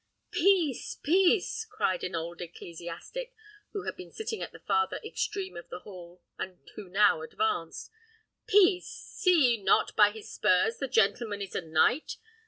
"Peace! peace!" cried an old ecclesiastic, who had been sitting at the farther extreme of the hall, and who now advanced. "Peace! see ye not by his spurs the gentleman is a knight?